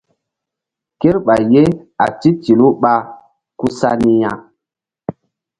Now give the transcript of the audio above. Kerɓay ye a titilu ɓa ku sa ni ya.